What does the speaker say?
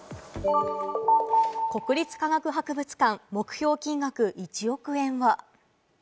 国立科学博物館、目標金額１億円は？